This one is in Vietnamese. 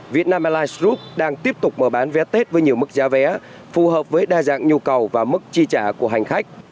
việt nam airlines group đang tiếp tục mở bán vé tết với nhiều mức giá vé phù hợp với đa dạng nhu cầu và mức chi trả của hành khách